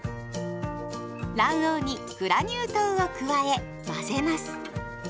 卵黄にグラニュー糖を加え混ぜます。